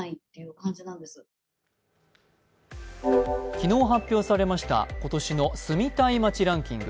昨日発表されました今年の住みたい街ランキング。